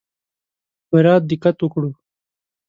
پوره دقت وکړو.